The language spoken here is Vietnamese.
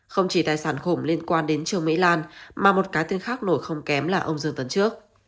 không chỉ tài sản khổng liên quan đến trương mỹ lan mà một cá tên khác nổi không kém là ông dương tấn trước